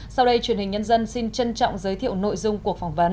sau đây truyền hình nhân dân xin trân trọng giới thiệu nội dung cuộc phỏng vấn